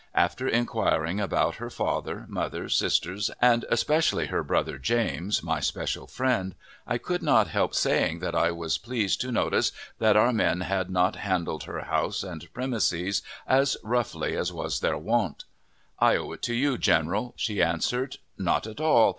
After inquiring about her father, mother, sisters, and especially her brother James, my special friend, I could not help saying that I was pleased to notice that our men had not handled her house and premises as roughly as was their wont. "I owe it to you, general," she answered. "Not at all.